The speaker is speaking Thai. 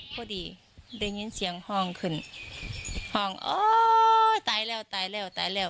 พอดีได้ยินเสียงห้องขึ้นห้องอ๋อตายแล้วตายแล้วตายแล้ว